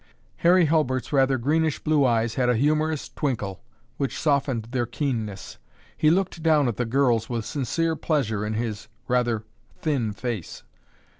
Harry Hulbert's rather greenish blue eyes had a humorous twinkle which softened their keenness. He looked down at the girls with sincere pleasure in his rather thin face.